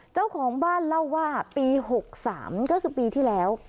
เจ้าของบ้านเล่าว่าปี๖๓ก็คือปีที่แล้ว